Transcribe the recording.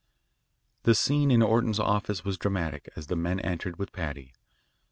The scene in Orton's office was dramatic as the men entered with Paddy.